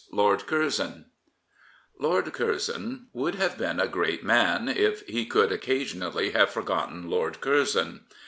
LORD CURZON Lord Curzon would have been a great man if he could occasionally have forgotten Lord Curzon.